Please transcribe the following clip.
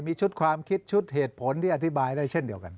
มีชุดความคิดชุดเหตุผลที่อธิบายได้เช่นเดียวกัน